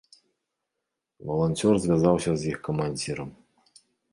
Валанцёр звязаўся з іх камандзірам.